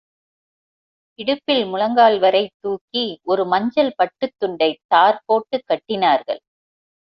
இடுப்பில் முழங்கால் வரை, தூக்கி ஒரு மஞ்சள் பட்டுத் துண்டைத் தார் போட்டுக் கட்டினார்கள்.